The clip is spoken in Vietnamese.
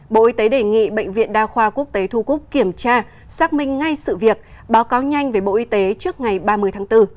bộ y tế đề nghị bệnh viện đa khoa quốc tế thu cúc kiểm tra xác minh ngay sự việc báo cáo nhanh về bộ y tế trước ngày ba mươi tháng bốn